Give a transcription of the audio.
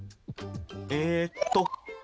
えっと。